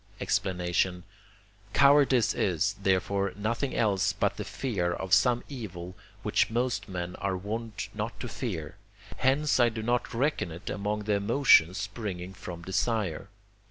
Explanation Cowardice is, therefore, nothing else but the fear of some evil, which most men are wont not to fear; hence I do not reckon it among the emotions springing from desire.